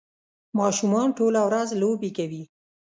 ماشومان ټوله ورځ لوبې کوي.